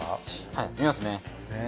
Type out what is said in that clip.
はい見ますね。